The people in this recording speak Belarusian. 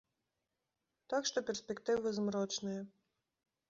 Так што перспектывы змрочныя.